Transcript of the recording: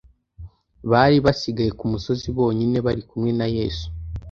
Bari basigaye ku musozi bonyine bari kumwe na Yesu.